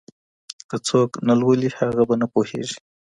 که څوک نه لولي هغه به نه پوهېږي.